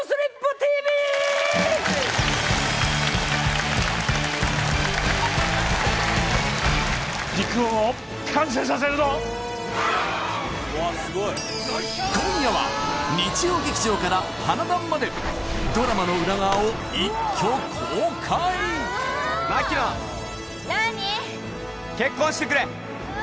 ＴＶ陸王を完成させるぞ今夜は日曜劇場から「花男」までドラマの裏側を一挙公開うわーっ